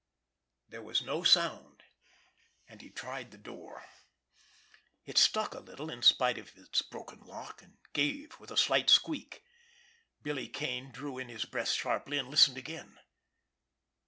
There was no sound, and he tried the door. It stuck a little in spite of its broken lock, and gave with a slight squeak. Billy Kane drew in his breath sharply, and listened again.